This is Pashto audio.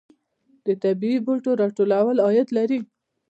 د طبیعي بوټو راټولول عاید لري